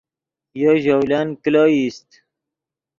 یو ژولن کلو ایست